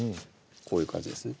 こういう感じですね